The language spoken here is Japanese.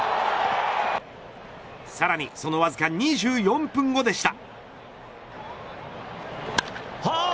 さらにそのわずか２４分後でした。